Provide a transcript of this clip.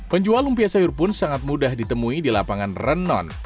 penjual lumpia sayur pun sangat mudah ditemui di lapangan renon